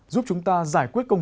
giúp chúng ta giải quyết các vấn đề